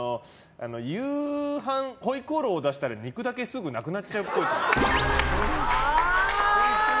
夕飯、ホイコーローを出したら肉だけすぐなくなっちゃうっぽい。